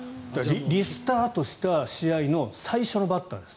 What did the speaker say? リスタートした試合の最初のバッターです。